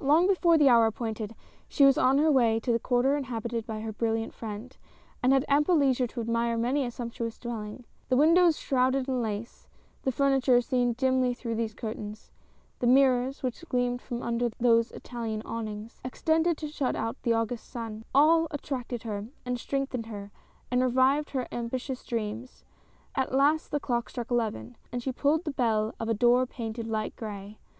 Long before the hour appointed, she was on her way to the quarter inhabited by her brilliant friend; and had ample leisure to admire many a sumptuous dwelling. The windows shrouded in lace; the furniture seen dimly through these curtains ; the mirrors, which gleamed from under those Italian awnings — extended to shut out the August sun — all attracted her, and strengthened her, and revived her ambitious dreams. At last the clock struck eleven, and she pulled the bell of a door painted light gray.